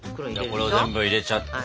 これを全部入れちゃって。